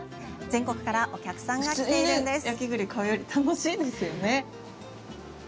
全国からお客さんが来ているんです。